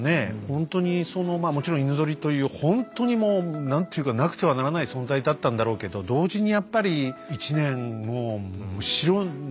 ほんとにもちろん犬ゾリというほんとにもう何ていうかなくてはならない存在だったんだろうけど同時にやっぱり１年白の世界に囲まれるわけでしょ